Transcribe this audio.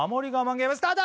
ゲームスタート